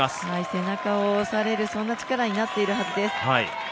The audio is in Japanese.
背中を押される、そんな力になっているはずです。